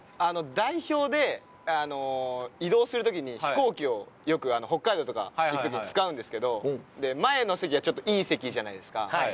代表で移動する時に飛行機をよく北海道とか行く時に使うんですけど前の席がちょっといい席じゃないですか。